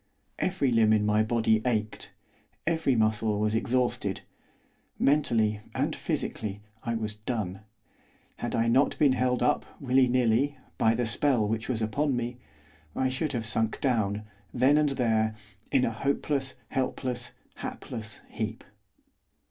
Every limb in my body ached; every muscle was exhausted; mentally and physically I was done; had I not been held up, willy nilly, by the spell which was upon me, I should have sunk down, then and there, in a hopeless, helpless, hapless heap.